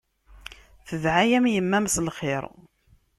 Tedɛa-yam yemma-m s lxir.